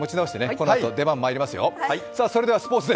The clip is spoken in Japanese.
このあと、出番まいりますよ。